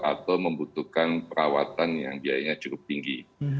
atau membutuhkan perawatan yang biayanya cukup tinggi